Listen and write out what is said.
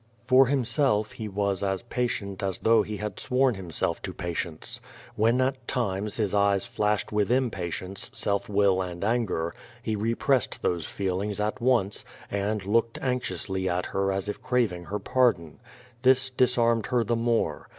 For himself he was as patient as though he had sworn himself to patience. When at times his eyes flashed with im patience, self will and anger, he repressed those feelings at once, and looked anxiously at her as if craving her pardon. This disarmed her the more.